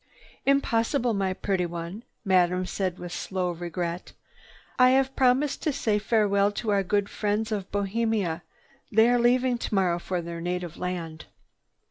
"Impossible, my pretty one," Madame said with slow regret. "I have promised to say farewell to our good friends of Bohemia. They are leaving tomorrow for their native land.